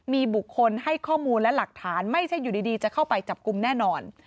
มีบุคคลให้ข้อมูลและหลักฐานไม่ใช่อยู่ดีจะเข้าไปจับกลุ่มแน่นอน